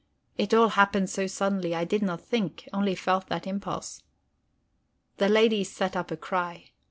It all happened so suddenly I did not think, only felt that impulse. The ladies set up a cry.